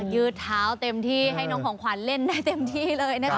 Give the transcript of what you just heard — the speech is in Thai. ยืดเท้าเต็มที่ให้น้องของขวัญเล่นได้เต็มที่เลยนะคะ